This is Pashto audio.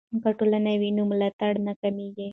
که ټولنه وي نو ملاتړ نه کمیږي.